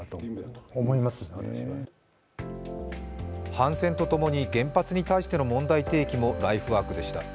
反戦とともに原発に対しての問題提起もライフワークでした。